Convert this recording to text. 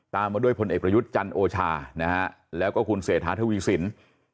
ตามมาด้วยพลเอกประยุทธ์จันทร์โอชานะฮะแล้วก็คุณเศรษฐธวิสินทร์